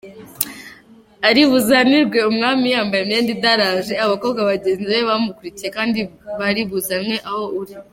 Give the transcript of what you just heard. Ari buzanirwe umwami yambaye imyenda idaraje, Abakobwa bagenzi be bamukurikiye, Bari buzanwe aho uri.